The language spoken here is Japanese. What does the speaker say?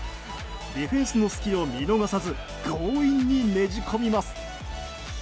ディフェンスの隙を見逃さず強引にねじ込みます。